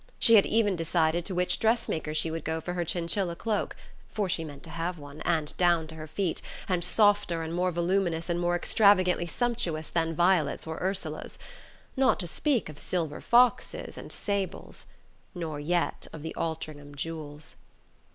She had even decided to which dressmaker she would go for her chinchilla cloak for she meant to have one, and down to her feet, and softer and more voluminous and more extravagantly sumptuous than Violet's or Ursula's... not to speak of silver foxes and sables... nor yet of the Altringham jewels.